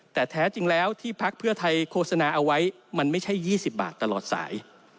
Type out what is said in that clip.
แต่แท้จริงแล้วที่พักเพื่อไทยโฆษณาเอาไว้มันไม่ใช่๒๐บาทตลอดสาย